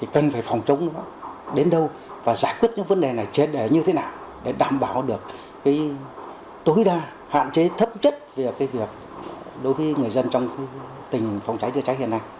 cần phải phòng chống đến đâu và giải quyết những vấn đề này trên để như thế nào để đảm bảo được tối đa hạn chế thấp chất về việc đối với người dân trong tình phòng cháy chữa cháy hiện nay